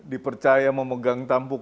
dipercaya memegang tampuk